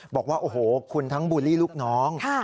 บอกว่าโอ้โหคุณทั้งบูลลี่ลูกน้อง